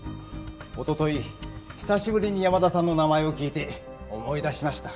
一昨日久しぶりに山田さんの名前を聞いて思い出しました。